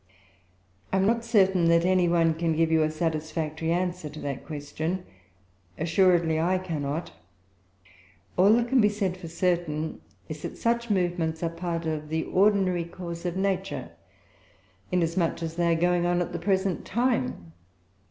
I am not certain that any one can give you a satisfactory answer to that question. Assuredly I cannot. All that can be said, for certain, is, that such movements are part of the ordinary course of nature, inasmuch as they are going on at the present time.